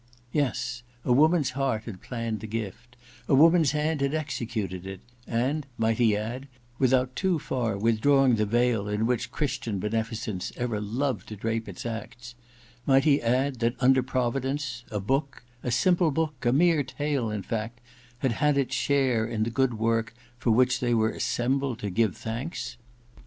Yes— a woman's heart had planned the gift, a woman's hand had executed it, and, might he add, without too far withdrawing the veil in which Christian beneficence ever loved to drape its acts — ^might he add that, under Providence, a book, a simple book, a mere tale, in fact, had had its share in the good work for which they were assembled to give thanks